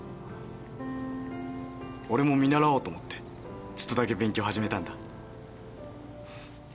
俺も見習おうと思ってちょっとだけ勉強始めたんだ。